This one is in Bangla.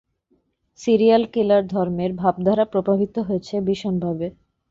সিরিয়াল কিলার ধর্মের ভাবধারা প্রভাবিত হয়েছে ভীষণভাবে।